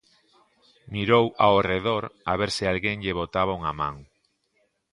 Mirou ao redor a ver se alguén lle botaba unha man.